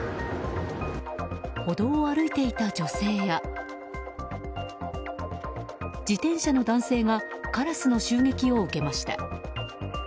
歩道を歩いていた女性や自転車の男性がカラスの襲撃を受けました。